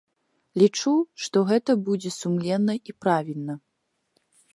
Лічу, што гэта будзе сумленна і правільна.